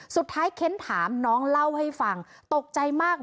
เค้นถามน้องเล่าให้ฟังตกใจมาก